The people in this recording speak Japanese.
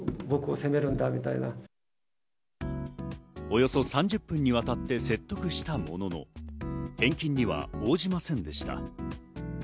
およそ３０分にわたって説得したものの、返金には応じませんでした。